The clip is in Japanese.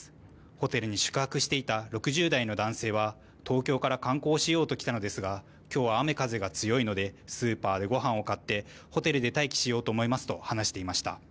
ホテルに宿泊していた６０代の男性は東京から観光しようと来たのですがきょうは雨風が強いのでスーパーでごはんを買ってホテルで待機しようと思いますと話していました。